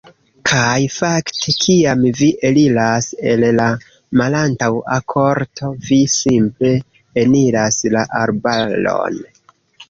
Kaj fakte, kiam vi eliras el la malantaŭa korto, vi simple eniras la arbaron.